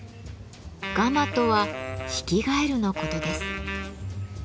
「ガマ」とはヒキガエルのことです。